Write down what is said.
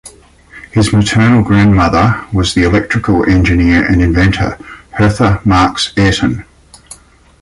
His maternal grandmother was the electrical engineer and inventor, Hertha Marks Ayrton.